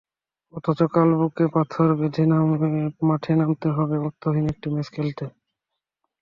অথচ কাল বুকে পাথর বেঁধে মাঠে নামতে হবে অর্থহীন একটা ম্যাচ খেলতে।